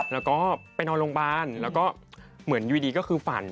แล้วก็ไปนอนโรงพยาบาลแล้วก็เหมือนอยู่ดีก็คือฝัน